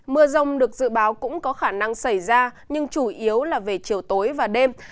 mưa rông được dự báo cũng có khả năng xảy ra nhưng chủ yếu là về chiều tối và đêm